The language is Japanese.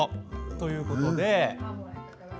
ということで。